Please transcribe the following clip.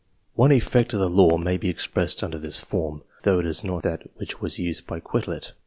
One effect of the law may be expressed under this form, though it is not that which was used by Quetelet.